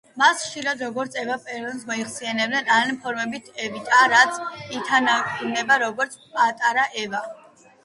მას ხშირად როგორც ევა პერონს მოიხსენიებდნენ ან მოფერებით ევიტა, რაც ითარგმნება როგორც „პატარა ევა“.